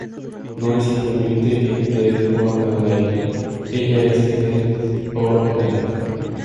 No está simplemente en Dead or Alive; ella es Dead or Alive".